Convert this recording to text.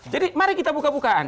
jadi mari kita buka bukaan